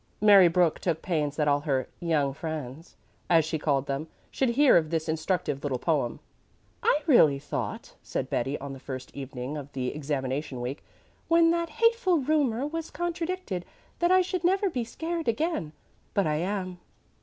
Mary Brooks took pains that all her "young friends," as she called them, should hear of this instructive little poem. "I really thought," said Betty on the first evening of the examination week, "when that hateful rumor was contradicted, that I should never be scared again, but I am."